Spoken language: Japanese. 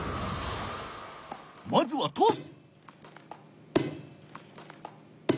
まずはトス。